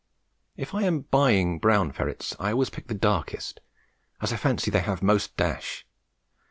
If I am buying brown ferrets I always pick the darkest, as I fancy they have most dash.